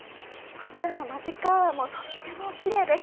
こちらのマジックアワーもとってもきれいです。